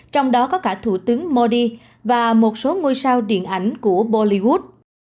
trong đó có cả thủ tướng modi và một số ngôi sao điện ảnh của bolivood